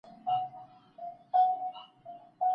د خاطب نظر اخیستل باید هېر نه سي.